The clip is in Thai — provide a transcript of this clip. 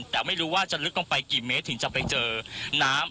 แต่ไม่รู้ว่าจะลึกลงไปกี่เมตรถึงจะไปเจอน้ำ